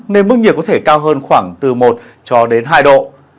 nên mức nhiệt có thể cao hơn khoảng từ một hai độ